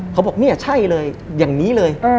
เขาบอกเนี่ยใช่เลยอย่างนี้เลย